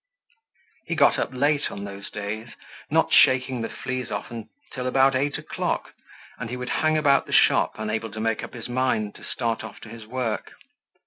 He got up late on those days, not shaking the fleas off till about eight o'clock; and he would hang about the shop, unable to make up his mind to start off to his work.